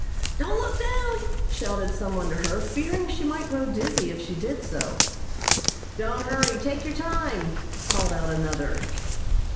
"Don't look down!" shouted some one to her, fearing she might grow dizzy if she did so. "Don't hurry; take your time!" called out another.